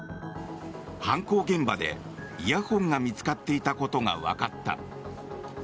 犯行現場でイヤホンが見つかっていたことがわかった。